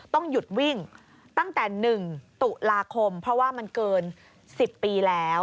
ต้องหยุดวิ่งตั้งแต่๑ตุลาคมเพราะว่ามันเกิน๑๐ปีแล้ว